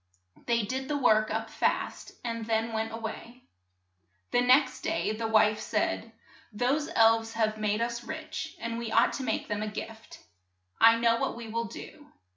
They did the work up fast, and then went a way. The next day the wife said, "Those elves have made us rich, and we ought to make them a |\V gift. I know what we ^ will do.